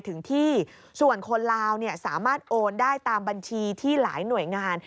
ถึงที่ส่วนคนลาวสามารถโอนได้ตามบัญชีที่หลายหน่วยงาน